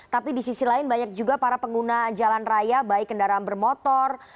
tapi di sisi lain banyak juga para pengguna jalan raya baik kendaraan bermotor